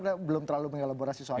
pak agus selalu mengelaborasi soal itu